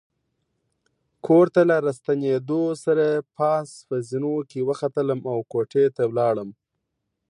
کور ته له راستنېدو سره پاس په زینو کې وختلم او کوټې ته ولاړم.